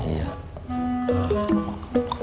bukan ada apa apa